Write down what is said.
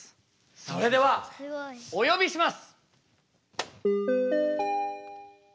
それではお呼びします。